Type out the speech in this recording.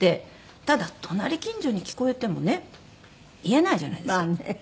ただ隣近所に聞こえてもね言えないじゃないですか。